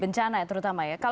bencana ya terutama ya